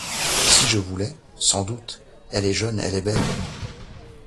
Si je voulais. — Sans doute. — Elle est jeune, elle est belle !